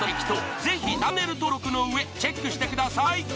ぜひチャンネル登録のうえチェックしてください。